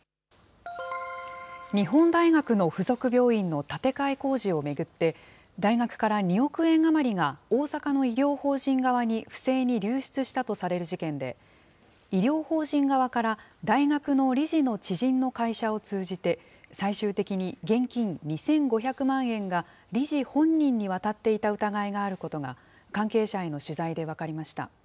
日本大学の付属病院の建て替え工事を巡って、大学から２億円余りが大阪の医療法人側に不正に流出したとされる事件で、医療法人側から大学の理事の知人の会社を通じて、最終的に現金２５００万円が、理事本人に渡っていた疑いがあることが、関係者への取材で分かりました。